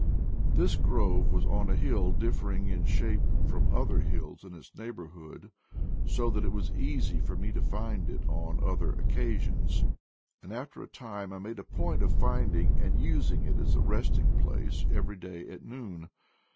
This grove was on a hill differing in shape from other hills in its neighborhood, so that it was easy for me to find it on other occa sions ; and after a time I made a point of finding and using it as a resting place every day at noon.